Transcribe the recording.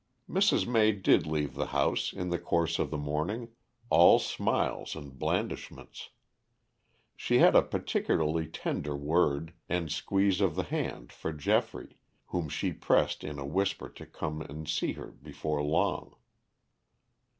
Mrs. May did leave the house in the course of the morning, all smiles and blandishments. She had a particularly tender word and squeeze of the hand for Geoffrey, whom she pressed in a whisper to come and see her before long.